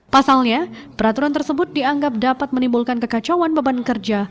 pasalnya peraturan tersebut dianggap dapat menimbulkan kekacauan beban kerja